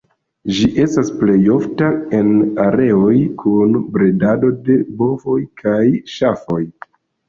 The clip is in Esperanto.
Ĝi estas plej ofta en areoj kun bredado de bovoj kaj ŝafoj.